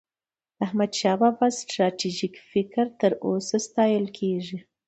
د احمدشاه بابا ستراتیژيک فکر تر اوسه ستایل کېږي.